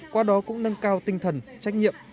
qua đó cũng nâng cao tinh thần trách nhiệm